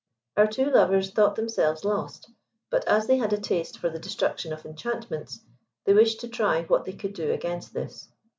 Our two lovers thought themselves lost; but as they had a taste for the destruction of enchantments, they wished to try what they could do against this.